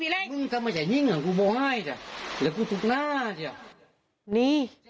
พี่ต้องแพ้สิ